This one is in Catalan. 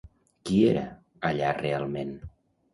Qui era allà realment?